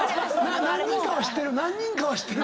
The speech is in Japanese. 何人かは知ってる。